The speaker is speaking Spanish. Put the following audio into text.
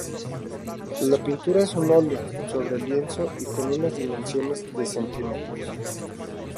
La pintura es un oleo sobre lienzo con unas dimensiones de centímetros.